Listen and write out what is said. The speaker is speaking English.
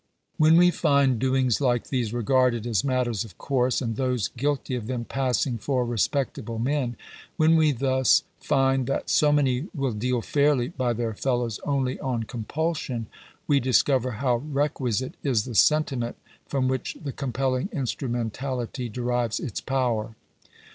When we find doings like these regarded as matters of course, and those guilty of them passing for respectable men — when we thus find that so many will deal fairly by their fellows only on compulsion — we discover how requisite is the senti ment from which the compelling instrumentality derives its power.